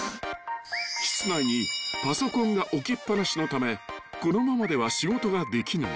［室内にパソコンが置きっぱなしのためこのままでは仕事ができない］